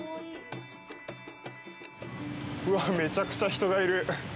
うわ、めちゃくちゃ人がいる。